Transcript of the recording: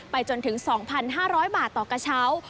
จนถึง๒๕๐๐บาทต่อกระเช้า